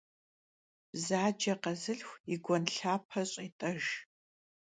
Bzace khezılhxu yi guen lhape ş'êt'ejj.